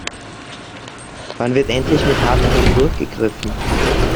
Wann wird endlich mit harter Hand durchgegriffen?